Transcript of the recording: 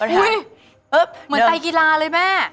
เห้ยเหมือนไตกีฬาเลยแม่